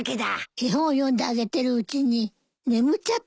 絵本を読んであげてるうちに眠っちゃったのよ。